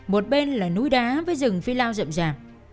một bên là núi đá với rừng phi lao rậm rạp